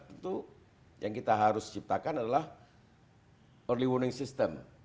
tentu yang kita harus ciptakan adalah early warning system